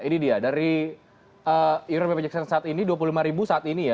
ini dia dari iuran bpjs saat ini dua puluh lima ribu saat ini ya